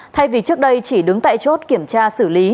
thay vì trước đây chỉ đứng tại chốt kiểm tra xử lý